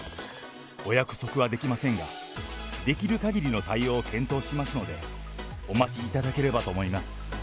お約束はできませんが、できるかぎりの対応を検討しますので、お待ちいただければと思います。